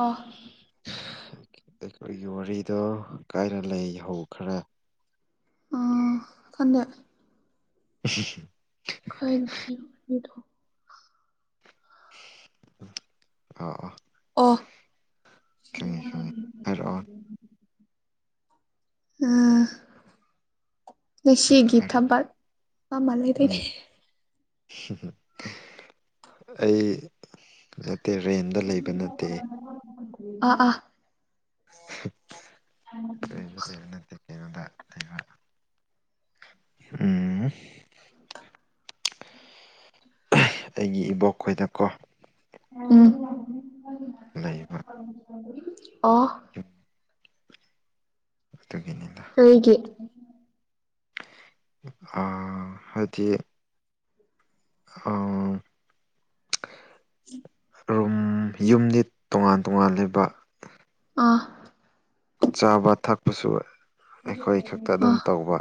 Of ꯑꯩꯈꯣꯏꯒꯤ ꯋꯥꯔꯤꯗꯣ ꯀꯥꯏꯅ ꯂꯩ ꯏꯍꯧ ꯈꯔ ꯑ ꯁꯟꯗꯦ ꯎ ꯈꯔꯒꯤꯗꯣ ꯑ ꯑ ꯑꯣ ꯈꯪꯉꯦ ꯍꯥꯏꯔꯛꯑꯣ ꯎꯝ ꯅ ꯁꯤꯒꯤ ꯍꯥꯏꯔꯛꯑꯣ ꯊꯕꯃ ꯂꯩ ꯎꯝ ꯂꯩꯅꯦ ꯑꯩ ꯅꯠꯇꯦ ꯔꯦꯟꯗ ꯂꯩꯕ ꯅꯠꯇꯦ ꯑꯥ ꯑꯥ [unintelligible] ꯎꯝ ꯔꯦꯟꯗ ꯂꯩꯕ ꯅꯠꯇꯦ ꯀꯩꯅꯣꯗ ꯂꯩꯕ ꯎꯝ ꯑꯩꯒꯤ ꯏꯕꯣꯛꯈꯣꯏꯗꯀꯣ ꯂꯩꯕ ꯑ ꯑꯣ ꯒꯤꯅꯦ ꯀ ꯀꯦ ꯑ ꯍꯥꯏꯗꯤ ꯑꯥ ꯎꯝ ꯔꯨꯝ ꯌꯨꯝꯗꯤ ꯇꯣꯉꯥꯟ ꯇꯣꯉꯥꯟ ꯂꯩꯕ ꯑꯥ ꯆꯥꯕ ꯊꯛꯄꯁꯨ ꯑꯩꯈꯣꯏ ꯈꯛꯇ ꯑꯗꯨꯝ ꯇꯧꯕ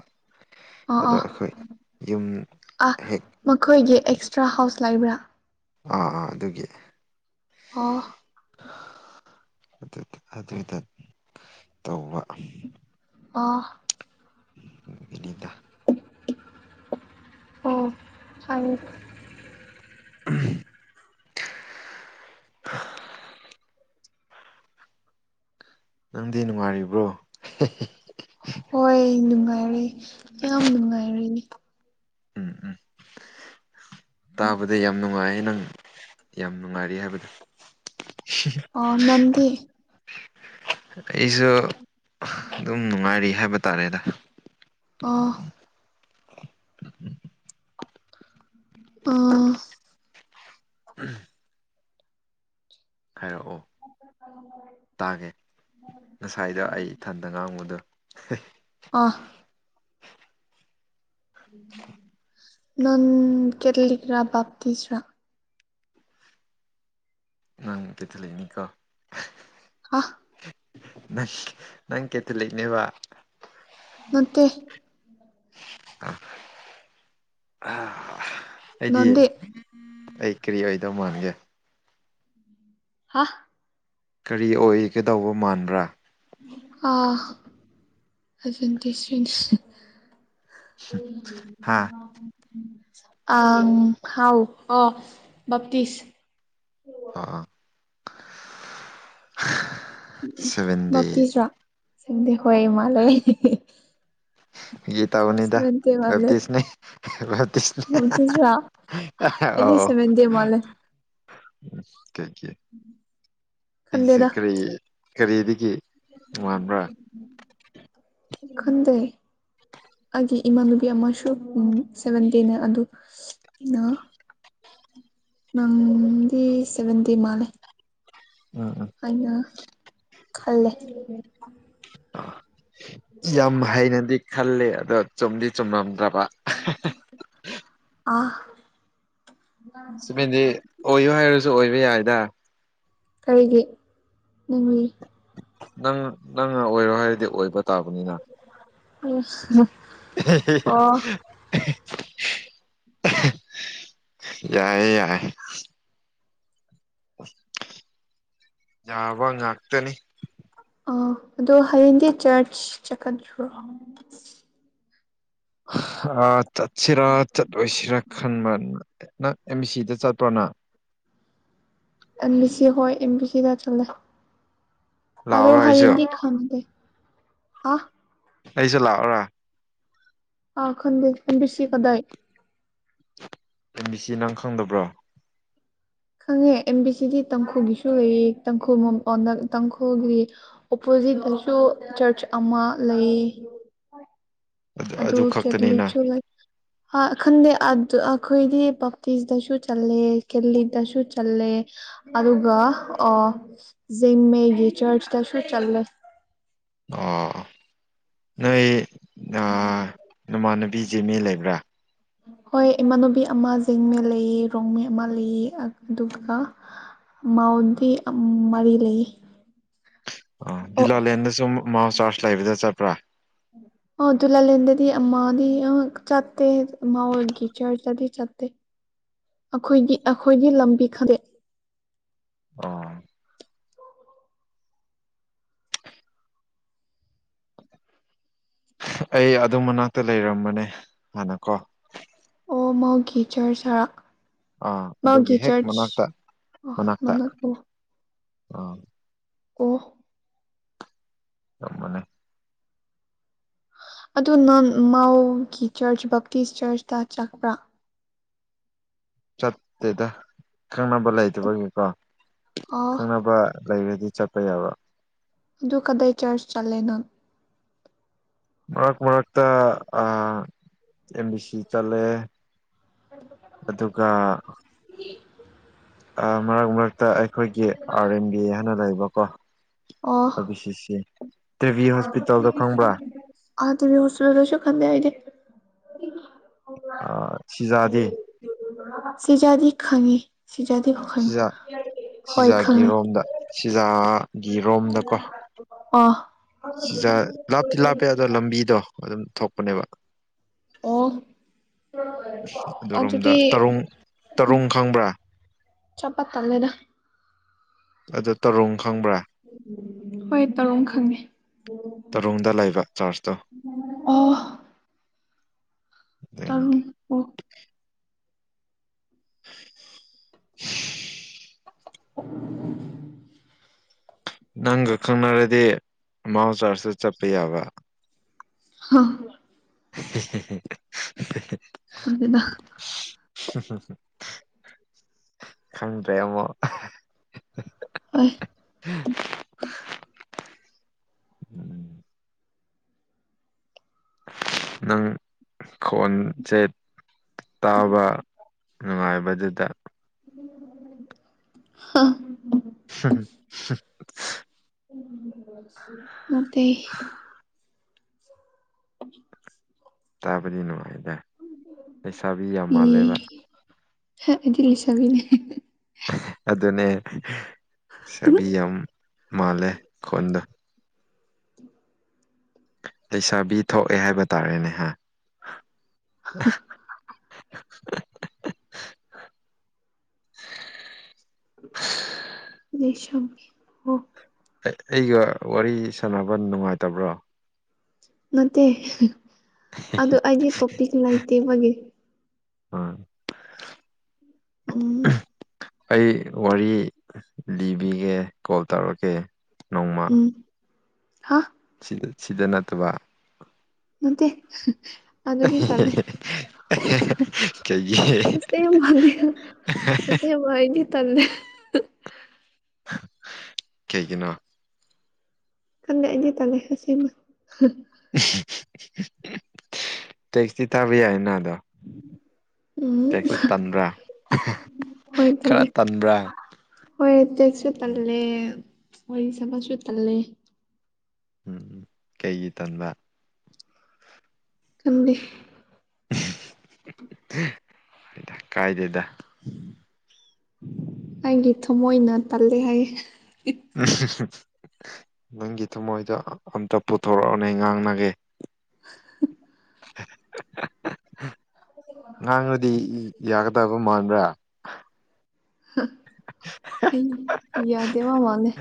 ꯑ ꯑꯗꯣ ꯑ ꯑꯩꯈꯣꯏ ꯌꯨꯝ ꯑ ꯍꯦꯛ ꯃꯈꯣꯏꯒꯤ ꯑꯦꯛꯁꯇ꯭ꯔꯥ ꯍꯥꯎꯁ ꯂꯩꯕ꯭ꯔꯥ ꯑꯥ ꯑꯥ ꯑꯗꯨꯒꯤ ꯑꯣ ꯑꯗꯨꯏꯗ ꯇꯧꯕ ꯑ ꯏꯅꯤꯗ ꯑꯣ ꯑ ꯎꯝ ꯅꯪꯗꯤ ꯅꯨꯡꯉꯥꯏꯔꯤꯕ꯭ꯔꯣ ꯍꯣꯏ ꯅꯨꯡꯉꯥꯏꯔꯦ ꯌꯥꯝ ꯅꯨꯡꯉꯥꯏꯔꯦꯅꯦ ꯎꯝ ꯎꯝ ꯇꯥꯕꯗ ꯌꯥꯝ ꯅꯨꯡꯉꯥꯏ ꯅꯪ ꯌꯥꯝ ꯅꯨꯡꯉꯥꯏꯔꯤ ꯍꯥꯏꯕꯗ ꯑ ꯅꯗꯤ ꯑꯩꯁꯨ ꯑꯗꯨꯝ ꯅꯨꯡꯉꯥꯏꯔꯤ ꯍꯥꯏꯕ ꯇꯥꯔꯦꯗ ꯑ ꯎ ꯑ ꯎꯝ ꯍꯥꯏꯔꯛꯑꯣ ꯇꯥꯒꯦ ꯉꯁꯥꯏꯗ ꯑꯩ ꯏꯊꯟꯗ ꯉꯥꯡꯕꯨꯗꯣ ꯍ ꯑꯐ [inaudible] ꯅꯪ ꯀꯦꯊꯂꯤꯛ ꯔꯥ ꯕꯥꯞꯇꯤꯁ꯭ꯔ ꯅꯪ ꯀꯩꯊꯂꯛꯏꯅꯤꯀꯣ ꯑ ꯪ ꯅꯪ ꯀꯦꯇ ꯂꯩꯅꯦꯕ ꯅꯦ ꯑ ꯑꯩꯗꯤ ꯅꯟꯗꯤ ꯑꯩ ꯀꯔꯤ ꯑꯣꯏꯗꯧ ꯃꯥꯟꯒꯦ ꯍꯥ ꯀꯔꯤ ꯑꯣꯏꯒꯗꯧꯕ ꯃꯥꯟꯕ꯭ꯔꯥ ꯑꯥ ꯑꯗꯨꯟꯁꯁꯤ ꯍꯥ ꯍ ꯑ ꯍꯥꯎ ꯑ ꯞꯇꯁ ꯑ ꯎꯝ ꯅꯣꯔꯇꯤꯁꯇ꯭ꯔꯥ ꯆꯪꯗꯦ ꯍꯣꯏ ꯏꯃꯥꯂꯣꯏ ꯒꯤ ꯇꯕꯅꯤꯗ ꯔꯞꯇꯤꯁꯅꯤ ꯔꯞꯇꯤꯁꯅꯤ ꯑꯣ ꯎ ꯀꯩꯀꯦ ꯑꯩꯁꯦ ꯀꯔꯤ ꯀꯔꯤꯗꯒꯤ ꯃꯥꯟꯕ꯭ꯔꯥ ꯈꯨꯟꯗꯩ ꯑꯩꯒꯤ ꯏꯃꯥꯟꯅꯨꯕꯤ ꯑꯃꯁꯨ ꯎ ꯁꯚꯦꯟꯇꯦꯅ ꯑꯗꯨ [unintelligible] [inaudible] ꯅꯪꯗꯤ ꯁꯕꯇꯤ ꯃꯥꯂꯦ ꯎꯝ ꯎꯝ ꯑꯩꯅ ꯈꯜꯂꯦ ꯌꯥꯝ ꯍꯩꯅꯗꯤ ꯈꯂꯦ ꯑꯗꯣ ꯆꯨꯝꯗꯤ ꯆꯨꯝꯂꯝꯝꯗ꯭ꯔꯕ ꯑ [unintelligible] [inaudible] ꯑꯥ ꯁꯨꯃꯤꯦꯟꯗꯤ ꯑꯣꯏꯌꯨ ꯍꯥꯏꯔꯁꯨ ꯑꯣꯏꯕ ꯌꯥꯏꯗ ꯀꯔꯤꯒꯤ ꯅꯤꯡꯒꯤ ꯅꯪ ꯅꯪꯅ ꯑꯣꯏꯔꯣ ꯍꯥꯏꯔꯗꯤ ꯑꯣꯏꯕ ꯇꯥꯕꯅꯤꯅ ꯑꯣ ꯌꯥꯏꯦ ꯌꯥꯏ ꯌꯥꯕ ꯉꯥꯛꯇꯅꯤ ꯑ ꯑꯗꯨꯗꯣ ꯍꯌꯦꯗꯤ ꯆꯔꯆ ꯆꯀꯠꯣ ꯑ ꯆꯠꯁꯤꯔ ꯆꯠꯂꯣꯏꯁꯤꯔ ꯈꯟꯕ ꯅꯦ ꯅꯪ ꯑꯦꯝ ꯕꯤ ꯁꯤꯗ ꯆꯠꯄ꯭ꯔꯣꯅ ꯑꯦꯝ ꯕꯤ ꯁꯤ ꯍꯣꯏ ꯑꯦꯝ ꯕꯤ ꯁꯤꯗ ꯆꯠꯂꯦ ꯑꯗꯣ ꯂꯥꯛꯑꯣꯔꯥ ꯑꯩꯁꯨ ꯍꯥꯏꯌꯦꯡꯗꯤ ꯈꯦ ꯑ ꯑꯩꯁꯨ ꯂꯥꯛꯑꯣꯔꯥ ꯑ ꯈꯟ ꯈꯟꯕꯤꯁꯤ ꯀꯗꯥꯏ ꯑꯦꯝ ꯕꯤ ꯁꯤ ꯅꯪ ꯈꯪꯗꯕ꯭ꯔꯣ ꯈꯪꯉꯦ ꯑꯦꯟ ꯕꯤ ꯁꯤꯗꯤ ꯇꯥꯡꯈꯨꯒꯤꯁꯨ ꯂꯩꯌꯦ ꯇꯈꯨ ꯇꯥꯡꯈꯨꯒꯤ ꯍꯧꯖꯤꯛꯁꯨ ꯆꯔꯆ ꯑꯃ ꯂꯩ [unintelligible] [inaudible] ꯑꯗ ꯑꯗꯨ ꯈꯛꯇꯅꯤꯅ ꯀꯦꯔꯃꯤꯆꯨ ꯈꯟꯗꯦ ꯑꯗꯨ ꯑꯩꯈꯣꯏꯗꯤ ꯕꯞꯇꯤꯁꯇꯁꯨ ꯆꯜꯂꯦ ꯀꯦꯜꯂꯤꯗꯁꯨ ꯆꯜꯂꯦ ꯑꯗꯨꯒ ꯖꯃꯦꯒꯤ ꯆꯔꯆꯇꯁꯨ ꯆꯜꯂꯦ ꯑꯣ ꯅꯣꯏ ꯅꯃꯥꯟꯅꯕꯤ ꯖꯤꯃꯤ ꯂꯩꯕ꯭ꯔꯥ ꯍꯣꯏ ꯏꯃꯥꯟꯅꯨꯕꯤ ꯑꯃ ꯖꯦꯡꯃꯦ ꯂꯩꯌꯦ ꯔꯣꯡꯃꯦ ꯑꯃ ꯂꯩꯑ ꯑꯗꯨꯒ ꯃꯥꯎꯗꯤ ꯃꯔꯤ ꯂꯩ ꯑ ꯗꯤꯂꯥꯂꯦꯟꯗꯁꯨ ꯃꯥꯎ ꯆꯥꯔꯖ ꯂꯩꯕꯗ ꯆꯠꯄ꯭ꯔꯥ ꯑꯣ ꯑꯗꯨꯗꯨꯂꯥ ꯂꯦꯟꯗꯗꯤ ꯑꯃꯥꯗꯤ ꯆꯥꯇꯇꯩꯃ ꯑꯣꯒꯤ ꯆꯔꯆꯗꯤ ꯆꯥꯇꯩ ꯑꯩꯈꯣꯏꯒꯤ ꯑꯩꯈꯣꯏꯒꯤ ꯂꯝꯕꯤ ꯈꯗꯦ ꯑꯥ [unintelligible] [inaudible] ꯑꯩ ꯑꯗꯨ ꯃꯅꯥꯛꯇ ꯂꯩꯔꯝꯕꯅꯦ ꯍꯥꯟꯅꯀꯣ ꯑꯣꯃꯥꯎ ꯦꯆꯔ ꯁꯥꯔꯛ ꯑꯥ ꯑꯗꯨꯒꯤ ꯒꯤ ꯍꯦꯛ ꯃꯅꯥꯛꯇ ꯆꯔꯆ ꯑ ꯃ ꯃꯅꯥꯛꯇ ꯑꯥ [unintelligible] [inaudible] ꯑꯣ ꯑꯃꯅꯦ ꯑꯗꯨ ꯅ ꯃꯥꯎꯒꯤ ꯆꯔꯆ ꯕꯞꯇꯤꯁ ꯆꯔꯆꯇ ꯆꯠꯄ꯭ꯔꯥ ꯆꯠꯇꯦꯗ ꯈꯪꯅꯕ ꯂꯩꯗꯕꯒꯤꯀꯣ ꯑꯣ ꯈꯪꯅꯕ ꯂꯩꯔꯗꯤ ꯆꯠꯄ ꯌꯥꯕ꯭ꯔꯥ ꯑꯗꯨ ꯀꯗꯥꯏ ꯆꯔꯆ ꯆꯠꯂꯦꯅꯣ ꯃꯔꯛ ꯃꯔꯛꯇ ꯑꯦꯝ ꯕꯤ ꯁꯤ ꯆꯠꯂꯦ ꯑꯗꯨꯒ [unintelligible] [inaudible] ꯃꯔꯛ ꯃꯔꯛꯇ ꯑꯩꯈꯣꯏꯒꯤ ꯑꯥꯔ ꯑꯦꯟ ꯕꯤ ꯍꯥꯏꯅ ꯂꯩꯕꯀꯣ ꯑꯕꯤ ꯁꯤꯁꯦ ꯑꯗ ꯍꯧꯁ ꯂꯁꯨ ꯈꯟꯗꯦ ꯑꯗ ꯑ ꯁꯤꯖꯥꯗꯦ ꯁꯤꯖꯥꯗꯤ ꯈꯪꯉꯤ ꯁꯤꯖꯥꯗꯤ ꯈꯪꯉꯤ ꯁꯤꯖꯥ ꯍꯣꯏ ꯁꯤꯖꯥꯒꯤ ꯈꯪꯉꯦ ꯔꯣꯝꯗ ꯁꯤꯖꯥꯒꯤ ꯔꯣꯝꯗꯀꯣ ꯑꯣ ꯆꯖꯥꯛ ꯂꯥꯞꯇꯤ ꯂꯥꯞꯄꯦ ꯑꯗꯣ ꯂꯝꯕꯤꯗꯣ ꯑꯗꯨꯝ ꯊꯣꯛꯄꯅꯦꯕ ꯑꯣ ꯑꯗꯨꯗꯤ ꯑꯗꯨꯔꯣꯝꯗ ꯇꯔꯨꯡ ꯇꯔꯨꯡ ꯈꯪꯕ꯭ꯔꯥ ꯆꯄ ꯇꯃꯦꯗ ꯑꯗꯨ ꯇꯔꯨꯡ ꯈꯪꯕ꯭ꯔꯥ ꯍꯣꯏ ꯇꯧꯔꯨꯝ ꯈꯪꯉꯦ ꯇꯔꯨꯡꯗ ꯂꯩꯕ ꯆꯥꯔꯖꯇꯣ ꯑꯣ ꯑꯗꯨꯏꯅꯤꯗ ꯇꯔꯨꯟ ꯑꯣ [inaudible] [unintelligible] ꯅꯪꯒ ꯈꯪꯅꯔꯗꯤ ꯃꯥꯎ ꯆꯥꯔꯖꯇ ꯆꯠꯄ ꯌꯥꯕ ꯍ [inaudible] [unintelligible] ꯑꯗꯨꯗ ꯀꯟ꯭ꯔꯦꯃꯣ ꯑꯣꯏ ꯎꯝ ꯅꯪ ꯈꯣꯟꯖꯦꯠ ꯇꯥꯕ ꯅꯨꯡꯉꯥꯏꯕꯗꯨꯗ ꯍ [unintelligible] ꯍ [unintelligible] ꯃꯇꯦ [inaudible] ꯇꯥꯕꯗꯤ ꯅꯨꯡꯉꯥꯏꯗ ꯂꯩꯩꯁꯥꯕꯤ ꯌꯥꯝ ꯃꯥꯜꯂꯦꯕ ꯏꯗꯤ ꯂꯤꯁꯕꯤꯅꯦ ꯑꯗꯨꯅꯦ ꯆꯕꯤ ꯌꯥꯝ ꯃꯥꯜꯂꯦ ꯈꯣꯟꯗꯣ ꯂꯩꯁꯥꯕꯤ ꯊꯣꯛꯑꯦ ꯍꯥꯏꯕ ꯇꯥꯔꯦꯅꯦ ꯍꯥꯏ ꯑꯣ ꯑꯩꯒ ꯋꯥꯔꯤ ꯁꯥꯟꯅꯕ ꯅꯨꯡꯉꯥꯏꯇꯕ꯭ꯔꯣ ꯅꯠꯇꯦ ꯑꯗꯨ ꯑꯩꯗꯤ ꯇꯣꯄꯤꯛ ꯂꯩꯇꯦꯕꯒꯤ ꯎꯝ ꯎꯝ ꯑꯩ ꯋꯥꯔꯤ ꯂꯤꯕꯤꯒꯦ ꯀꯣꯜ ꯇꯧꯔꯛꯀꯦ ꯅꯣꯡꯃ ꯎꯝ ꯍꯥ ꯁꯤꯗ ꯅꯠꯇꯕ ꯅꯠꯇꯦ ꯑꯗꯨꯗꯤ ꯇꯜꯂꯦ ꯀꯩꯒꯤ ꯃꯥꯅꯤ ꯑꯁꯤꯁꯦ ꯋꯥꯥꯏꯅꯤ ꯇꯂꯦ ꯀꯦ ꯀꯅꯣ ꯇꯟꯅꯗꯤ ꯑꯩꯗꯤ ꯇꯜꯂꯦ ꯑꯁꯦꯃ ꯇꯦꯛꯁꯤ ꯊꯥꯕ ꯌꯥꯏ ꯅꯥꯗ ꯎꯝ ꯇꯦꯛꯁꯁꯨ ꯇꯟꯕ꯭ꯔꯥ ꯍꯣꯏ ꯈꯔ ꯇꯜꯂꯦ ꯇꯟꯕ꯭ꯔꯥ ꯍꯣꯏ ꯇꯦꯛꯁꯨ ꯎꯝ ꯇꯜꯂꯦ ꯋꯥꯔꯤ ꯁꯥꯕꯁꯨ ꯇꯜꯂꯦ ꯎꯝ ꯀꯩꯒꯤ ꯇꯟꯕ ꯀꯕꯤ [unintelligible] ꯀꯥꯏꯗꯦꯗ ꯑꯩꯒꯤ ꯊꯃꯣꯏꯅ ꯇꯜꯂꯦ ꯍꯥꯏ ꯎ ꯅꯪꯒꯤ ꯊꯃꯣꯏꯗ ꯑꯝꯇ ꯄꯨꯊꯣꯔꯛꯑꯅꯦ ꯉꯥꯡꯅꯒꯦ ꯉꯍꯥꯡꯅꯗꯤ ꯌꯥꯒꯗꯕ ꯃꯥꯟꯕ꯭ꯔꯥ ꯌꯥꯗꯦꯃ ꯋꯥꯅꯦ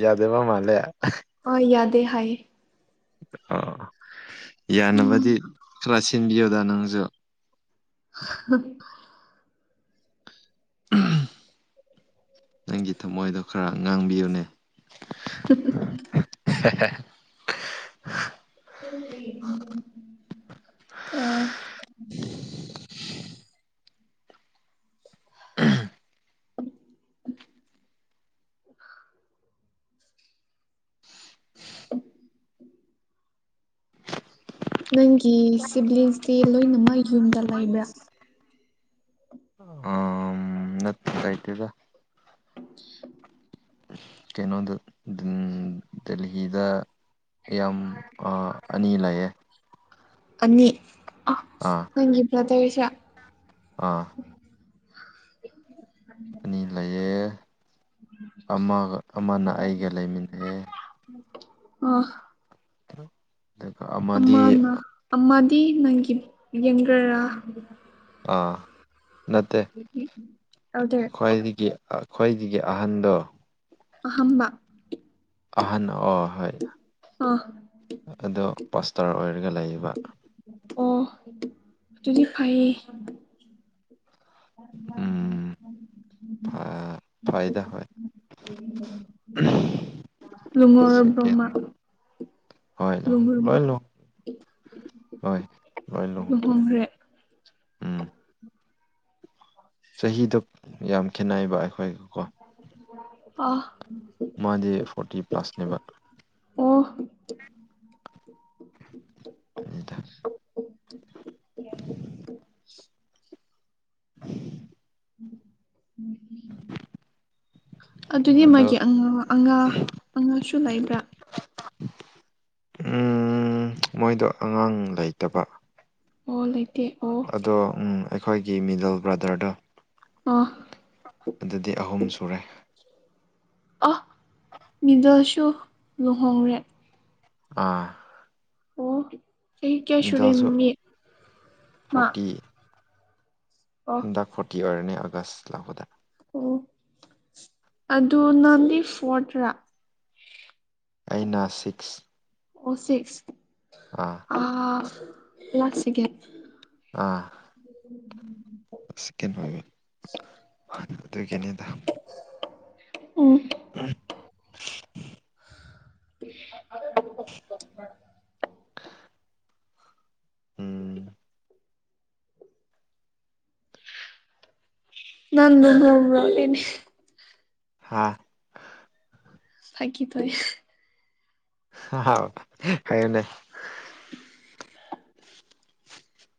ꯌꯥꯗꯕ ꯃꯥꯂꯦ ꯑ ꯌꯥꯗꯦ ꯍꯥꯏꯌꯦ ꯑ ꯌꯥꯅꯕꯗꯤ ꯈꯔ ꯁꯤꯟꯕꯤꯌꯨꯗ ꯅꯪꯁꯨ [unintelligible] ꯅꯪꯒꯤ ꯊꯝꯃꯣꯏꯗꯣ ꯈꯔ ꯉꯥꯡꯕꯤꯌꯨꯅꯦ [unintelligible] [unintelligible] ꯑꯥ [unintelligible] ꯅꯪꯒꯤ ꯁꯤꯕꯂꯤꯡꯁꯁꯤ ꯂꯣꯏꯅꯃꯛ ꯌꯨꯝꯗ ꯂꯩꯕ꯭ꯔꯥ ꯂꯩꯇꯦꯗ [unintelligible] ꯀꯩꯅꯣꯗ ꯒꯤꯗ ꯌꯥꯝ ꯑꯅꯤ ꯂꯩꯌꯦ ꯑꯅꯤ ꯑ ꯑꯥ ꯅꯪꯒꯤꯕ꯭ꯔꯗꯁꯦ ꯑꯥ ꯑꯅꯤ [unintelligible] ꯂꯩꯌꯦ ꯑꯃꯒ ꯑꯃꯅ ꯑꯩꯒ ꯂꯩꯃꯤꯟꯅꯑꯦ ꯑ ꯑꯗꯨꯒ ꯑꯃꯗꯤ ꯑꯃꯅ ꯑꯃꯗꯤ ꯅꯪꯒꯤ ꯌꯦꯡꯒꯔꯥ ꯑꯥ ꯅꯠꯇꯦ ꯑꯦꯜꯗꯔ ꯈ꯭ꯋꯥꯏꯗꯒꯤ ꯈ꯭ꯣꯏꯗꯒꯤ ꯑꯍꯟꯗꯣ ꯑꯍꯝꯕ ꯑꯍꯟ ꯑꯣ ꯍꯣꯏ ꯑꯥ ꯑꯗꯣ ꯄꯣꯁꯇꯔ ꯑꯣꯏꯔ ꯑꯗꯨꯒꯔꯒ ꯂꯩꯌꯦꯕ ꯑꯣ ꯑꯗꯨꯗꯤ ꯐꯥꯏꯌꯦ [unintelligible] ꯐꯥꯏꯗ ꯍ ꯂꯨꯉꯣꯔ ꯕꯣ ꯃ ꯍꯗ ꯂꯣꯏ ꯂ ꯂꯨꯍꯣꯡꯈ꯭ꯔꯦ ꯐꯣꯡꯨꯡꯈ꯭ꯔꯦ ꯆꯍꯤꯗ ꯌꯥꯝ ꯈꯦꯅꯩꯕ ꯑꯩꯈꯣꯏꯒꯀꯣ ꯑ ꯃꯥꯗꯤ ꯐꯣꯔꯇꯤ ꯄ꯭ꯂꯁꯅꯦꯕ ꯑꯣ ꯑꯅꯤꯗ [unintelligible] ꯎꯝ ꯑꯗꯨꯗꯤ ꯑꯗꯣ ꯃꯥꯒꯤ ꯑꯉ ꯑꯉꯥꯡꯁꯨ ꯂꯩꯕ꯭ꯔꯥ ꯎꯝ ꯃꯣꯏꯗꯣ ꯑꯉꯥꯡ ꯂꯩꯇꯕ ꯑꯣ ꯂꯩꯇꯦ ꯑꯣ ꯑꯗꯣ ꯎ ꯑꯩꯈꯣꯏꯒꯤ ꯃꯤꯗꯜ ꯕ꯭ꯔꯗꯔꯗꯣ ꯑ ꯑꯗꯨꯗꯤ ꯑꯍꯨꯝ ꯁꯨꯔꯦ ꯑꯍ ꯃꯤꯗꯜꯁꯨ ꯂꯨꯍꯣꯡꯔꯦ ꯑꯥ ꯑꯣ ꯑꫭ ꯆꯍꯤꯀꯌꯥ ꯁꯨꯔꯦ ꯃꯥꯃꯤꯠ ꯐꫭꯇꯤ ꯑꯣ ꯍꯟꯗꯛ ꯐꯣꯔꯇꯤ ꯑꯣꯏꯔꯅꯤ ꯑꯥꯒꯁ ꯂꫭꯏꯔꯛꯕꯗ ꯑꯣ ꯑꯗꯨ ꯅꯪꯗꯤ ꯐꯣꯔꯠꯇꯔꯥ ꯑꯩꯅ ꯁꯤꯛꯁꯅꯤ ꯑꯣ ꯁꯤꯛꯁ ꯑ ꯂꯥꯛꯁ ꯁꯤꯀ°ꯟ ꯑꯥꯑ ꯎꯝꯝ [inaudible] [unintelligible] ꯁꯤꯀꯦꯟ ꯑꯣꯏꯕ [inaudible] [unintelligible] ꯑꯗꯨꯒꯤꯅꯤꯗꯥ꯫ ꯎꯝꯝ [inaudible] [unintelligible] ꯎꯝ ꯅꯪ ꯅꯥꯟꯅꯦ [unintelligible] ꯍꯥ ꯐꯥꯀꯤ ꯇꯧꯅꯤ ꯍꯥꯏꯌꯨꯅ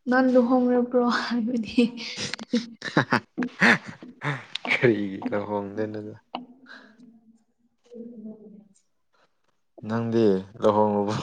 ꯅꯪ ꯂꯨꯍꯣꯡ꯭ꯔꯕ꯭ꯔꯣ ꯍꯥꯏꯕꯗꯤ ꯗꯥ ꯀꯔꯤꯒꯤ ꯂꯨꯍꯣꯡꯗꯦꯅꯗꯥ꯫ [inaudible] ꯅꯪꯗꯤ ꯂꯨꯍꯣꯡꯉꯕꫭ